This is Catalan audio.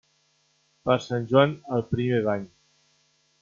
Per sant Joan, el primer bany.